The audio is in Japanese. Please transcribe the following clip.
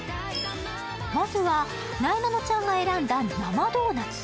まずは、なえなのちゃんが選んだ生ドーナツ。